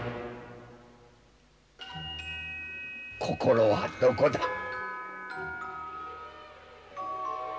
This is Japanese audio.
心はどこだ？